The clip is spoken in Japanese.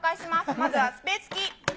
まずはスペースキー。